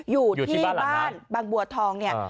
อยู่ที่บ้านบางบัวทองเนี่ย